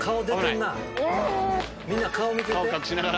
みんな顔見てて。